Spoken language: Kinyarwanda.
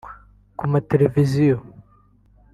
ku mateleviziyo